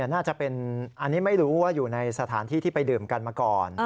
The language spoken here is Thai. น่าจะเป็นอันนี้ไม่รู้ว่าอยู่ในสถานที่ที่ไปดื่มกันมาก่อน